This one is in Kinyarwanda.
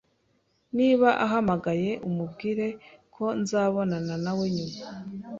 Niba ahamagaye, umubwire ko nzabonana nawe nyuma.